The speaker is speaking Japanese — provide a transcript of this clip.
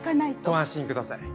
ご安心ください。